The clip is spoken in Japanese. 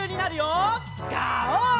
ガオー！